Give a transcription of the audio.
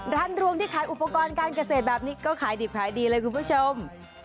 รวงที่ขายอุปกรณ์การเกษตรแบบนี้ก็ขายดิบขายดีเลยคุณผู้ชม